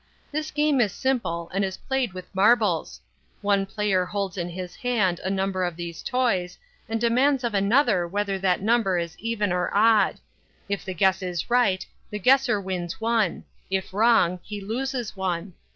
This game is simple, and is played with marbles. One player holds in his hand a number of these toys, and demands of another whether that number is even or odd. If the guess is right, the guesser wins one; if wrong, he loses one.